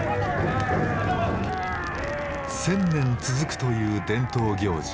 １，０００年続くという伝統行事